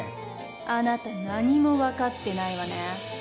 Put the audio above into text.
あなた何も分かってないわね。